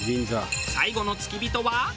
最後の付き人は。